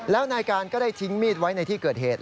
แล้วนายการก็ได้ทิ้งมีดไว้ในที่เกิดเหตุ